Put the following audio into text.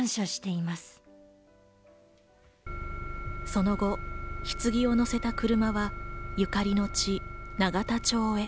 その後、棺を乗せた車はゆかりの地、永田町へ。